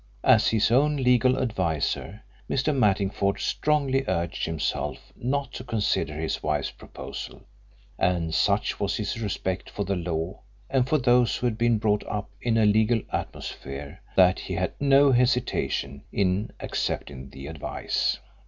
As his own legal adviser, Mr. Mattingford strongly urged himself not to consider his wife's proposal, and such was his respect for the law and for those who had been brought up in a legal atmosphere that he had no hesitation in accepting the advice.